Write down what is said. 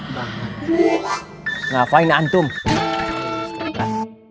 apa yang ada di atasnya